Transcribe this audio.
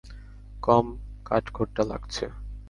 কম কাটখোট্টা লাগছে।